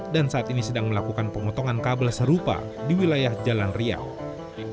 dan saat ini sedang melakukan pemotongan kabel serupa di wilayah jalan riau